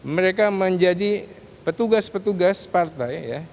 mereka menjadi petugas petugas partai